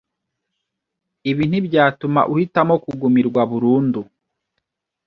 ibi ntibyatuma uhitamo kugumirwa burundu